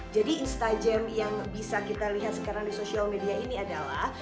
jadi instajam yang bisa kita lihat sekarang di social media ini adalah